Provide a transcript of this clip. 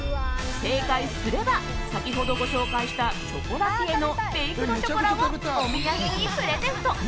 正解すれば先ほどご紹介したショコラティエのベイクドショコラをお土産にプレゼント。